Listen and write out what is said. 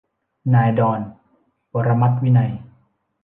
นายดอน ปรมัตถ์วินัย